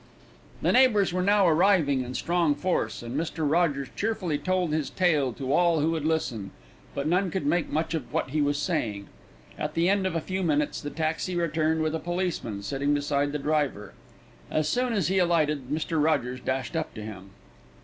The neighbours were now arriving in strong force, and Mr. Rogers cheerfully told his tale to all who would listen; but none could make much of what he was saying. At the end of a few minutes the taxi returned with a policeman sitting beside the driver. As soon as he alighted Mr. Rogers dashed up to him.